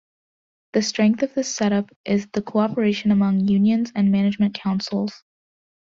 The strength of this setup is the cooperation among unions and management councils.